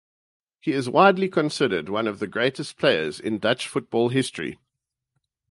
He is widely considered one of the greatest players in Dutch football history.